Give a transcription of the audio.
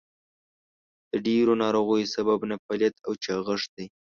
د ډېرو ناروغیو سبب نهفعاليت او چاغښت دئ.